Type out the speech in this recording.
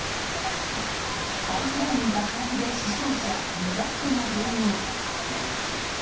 パイプライン爆発で死傷者、身勝手な原因。